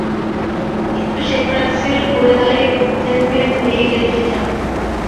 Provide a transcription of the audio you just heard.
কিন্তু শেখ রাসেল ঘুরে দাঁড়িয়ে গ্রুপ চ্যাম্পিয়ন হয়েই গেল শেষ আটে।